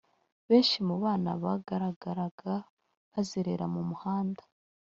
Benshi mu bana bagaragara bazerera mu muhanda